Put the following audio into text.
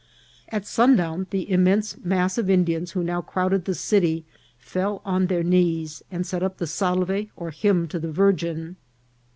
At sundown the immense mass of In dians who now crowded the city fell on their knees, and set up the Salve or hymn to the Virgin.